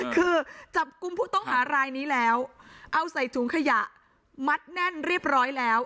คือจับกลุ่มผู้ต้องหารายนี้แล้วเอาใส่ถุงขยะมัดแน่นเรียบร้อยแล้ว